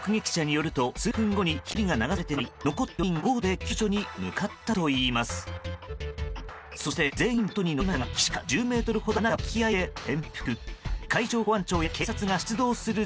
目撃者によると数分後に１人が流されてしまい残った４人が、ボートで救助に向かったといいます。